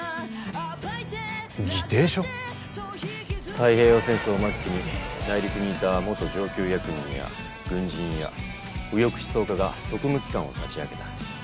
太平洋戦争末期に大陸にいた元上級役人や軍人や右翼思想家が特務機関を立ち上げた。